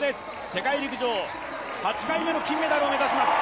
世界陸上、８回目の金メダルを目指します。